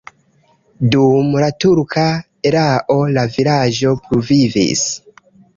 Dum la turka erao la vilaĝo pluvivis.